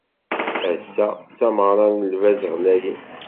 Ass-a d tameɣra n lbaz ɣlayen.